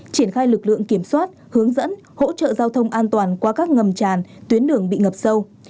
triển khai lực lượng kiểm soát hướng dẫn hỗ trợ giao thông an toàn qua các ngầm tràn tuyến đường bị ngập sâu